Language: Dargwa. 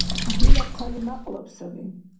Дила хъали мякьлаб саби.